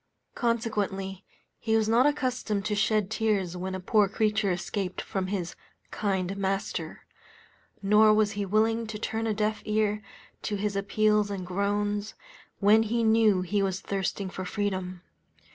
Consequently, he was not accustomed to shed tears when a poor creature escaped ftom his "kind master;" nor was he willing to turn a deaf ear to his appeals and groans, when he knew he was thirsting for freedom.